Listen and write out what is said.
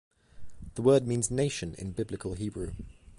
The word means "nation" in Biblical Hebrew.